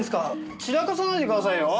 散らかさないでくださいよ。